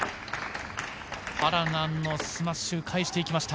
パラナンのスマッシュを返していきました。